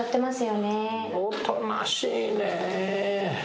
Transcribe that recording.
おとなしいねぇ。